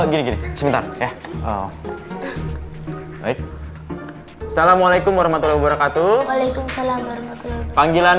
gini gini sebentar ya oh baik salamualaikum warahmatullah wabarakatuh waalaikumsalam panggilan